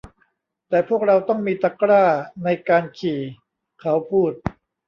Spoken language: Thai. แต่พวกเราต้องมีตะกร้าในการขี่ เขาพูด